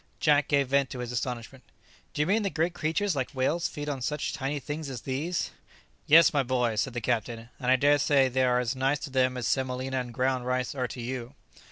Jack gave vent to his astonishment. "Do you mean that great creatures like whales feed on such tiny things as these?" "Yes, my boy," said the captain; "and I daresay they are as nice to them as semolina and ground rice are to you.